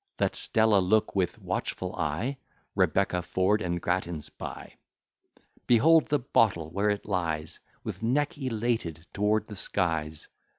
Let Stella look with watchful eye, Rebecca, Ford, and Grattans by. Behold the bottle, where it lies With neck elated toward the skies!